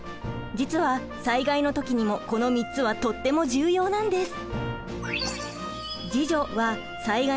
実は災害の時にもこの３つはとっても重要なんです。